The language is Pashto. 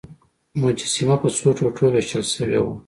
مجسمه په څو ټوټو ویشل شوې وه.